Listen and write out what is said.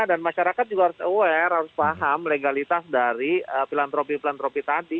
dan masyarakat juga harus aware harus paham legalitas dari filantropi filantropi tadi